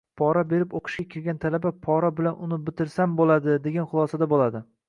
Pora berib oʻqishga kirgan talaba pora bilan uni bitirsam boʻladi, degan xulosada boʻladi.